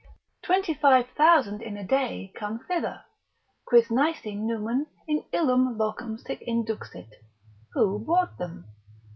twenty five thousand in a day come thither, quis nisi numen in illum locum sic induxit; who brought them?